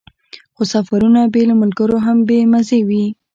خو سفرونه بې له ملګرو هم بې مزې وي.